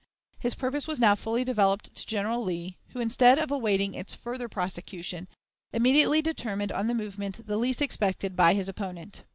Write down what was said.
His purpose was now fully developed to General Lee, who, instead of awaiting its further prosecution, immediately determined on the movement the least expected by his opponent.